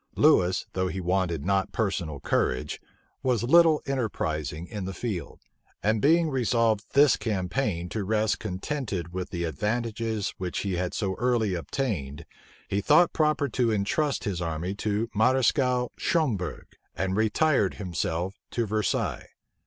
Lewis, though he wanted not personal courage, was little enterprising in the field; and being resolved this campaign to rest contented with the advantages which he had so early obtained, he thought proper to intrust his army to Mareschal Schomberg, and retired himself to Versailles.